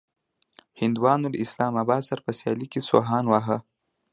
هنديانو له اسلام اباد سره په سيالۍ کې سوهان واهه.